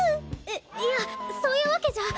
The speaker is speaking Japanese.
えいやそういうわけじゃ。